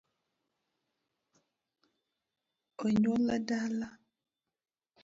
Onyuol dala